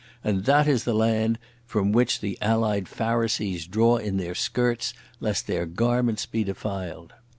And that is the land from which the Allied Pharisees draw in their skirts lest their garments be defiled!"